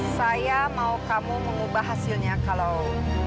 saya mau kamu mengubah hasilnya kalau